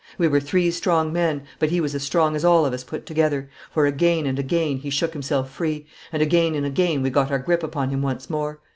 We were three strong men, but he was as strong as all of us put together, for again and again he shook himself free, and again and again we got our grip upon him once more.